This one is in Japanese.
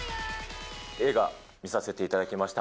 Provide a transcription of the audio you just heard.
映画、見させていただきました。